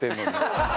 ハハハハ！